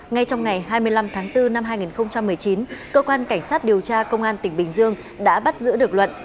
ngay trong ngày hai mươi năm tháng bốn năm hai nghìn một mươi chín cơ quan cảnh sát điều tra công an tỉnh bình dương đã bắt giữ được luận